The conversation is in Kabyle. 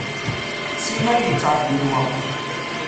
Simmal yettɛeddi lweqt.